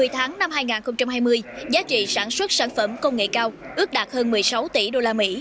một mươi tháng năm hai nghìn hai mươi giá trị sản xuất sản phẩm công nghệ cao ước đạt hơn một mươi sáu tỷ usd